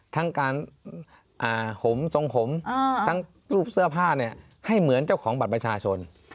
ทั้งการห่มทรงผมทั้งรูปเสื้อผ้าเนี่ยให้เหมือนเจ้าของบัตรประชาชน